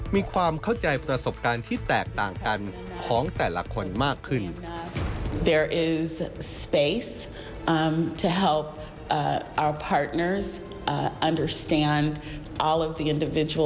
มีความเข้าใจประสบการณ์ที่แตกต่างกันของแต่ละคนมากขึ้น